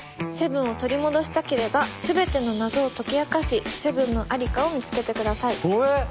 「７を取り戻したければ全ての謎を解き明かし７のありかを見つけてください」。